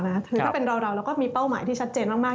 คือถ้าเป็นเราเราก็มีเป้าหมายที่ชัดเจนมาก